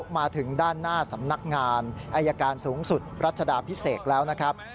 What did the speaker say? มาถึงด้านหน้าสำนักงานอายการสูงสุดรัชดาพิเศษแล้วนะครับ